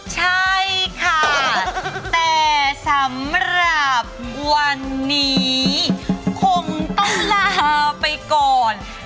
ใช่ค่ะแต่สำหรับวันนี้คงต้องลาไปก่อน